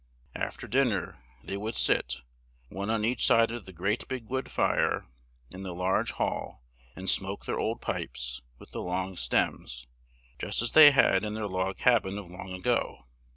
Af ter din ner, they would sit, one on each side of the great big wood fire, in the large hall, and smoke their old pipes, with the long stems, just as they had in their log cab in of long a go.